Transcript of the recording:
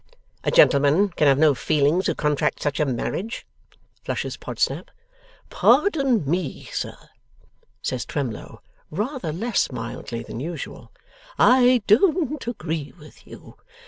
'A gentleman can have no feelings who contracts such a marriage,' flushes Podsnap. 'Pardon me, sir,' says Twemlow, rather less mildly than usual, 'I don't agree with you.